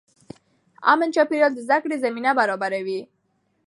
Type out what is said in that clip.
امن چاپېریال د زده کړې زمینه برابروي.